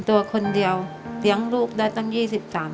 ทั้งในเรื่องของการทำงานเคยทำนานแล้วเกิดปัญหาน้อย